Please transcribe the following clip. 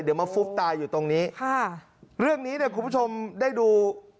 เดี๋ยวมาฟุบตายอยู่ตรงนี้ค่ะเรื่องนี้เนี่ยคุณผู้ชมได้ดู